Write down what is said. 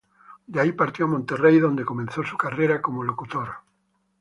De ahí, partió a Monterrey, donde comenzó su carrera como locutor.